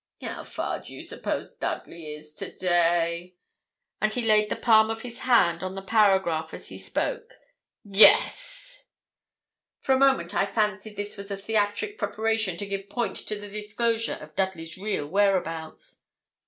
'How far do you suppose Dudley is to day?' and he laid the palm of his hand on the paragraph as he spoke. Guess!' For a moment I fancied this was a theatric preparation to give point to the disclosure of Dudley's real whereabouts.